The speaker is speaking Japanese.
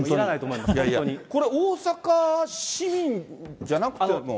いやいや、これ、大阪市民じゃなくても。